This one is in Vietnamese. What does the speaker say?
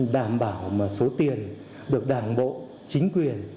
đảm bảo số tiền được đảng bộ chính quyền